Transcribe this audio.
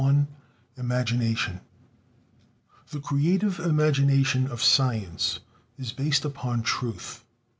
IX IMAGINATION =The creative imagination of science is based upon truth=.